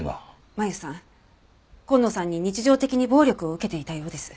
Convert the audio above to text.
麻友さん今野さんに日常的に暴力を受けていたようです。